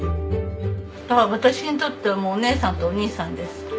私にとってはお姉さんとお兄さんです。